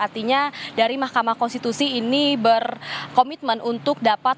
artinya dari mahkamah konstitusi ini berkomitmen untuk dapat